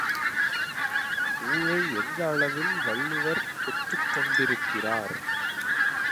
ஊழை எந்த அளவில் வள்ளுவர் ஒத்துக்கொண்டிருக்கிறார்?